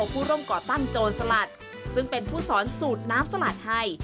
ผู้ร่วมก่อตั้งโจรสลัดซึ่งเป็นผู้สอนสูตรน้ำสลัดไทย